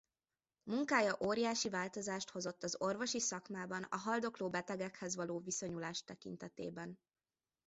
Munkája óriási változást hozott az orvosi szakmában a haldokló betegekhez való viszonyulás tekintetében.